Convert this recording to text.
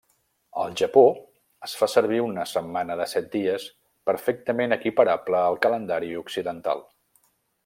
Al Japó es fa servir una setmana de set dies, perfectament equiparable al calendari occidental.